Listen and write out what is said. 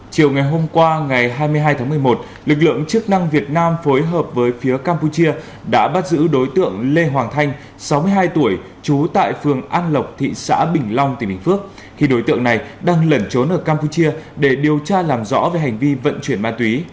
chiều ngày hôm qua ngày hai mươi hai tháng một mươi một lực lượng chức năng việt nam phối hợp với phía campuchia đã bắt giữ đối tượng lê hoàng thanh sáu mươi hai tuổi trú tại phường an lộc thị xã bình long tỉnh bình phước khi đối tượng này đang lẩn trốn ở campuchia để điều tra làm rõ về hành vi vận chuyển ma túy